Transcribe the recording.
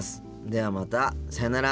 ではまたさようなら。